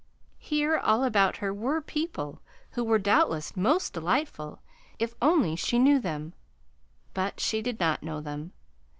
Here all about her were people who were doubtless most delightful if she only knew them. But she did not know them.